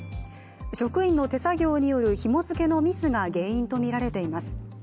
職員の手作業によるひも付けのミスが原因とみられています。